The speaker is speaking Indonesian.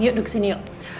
yuk duk sini yuk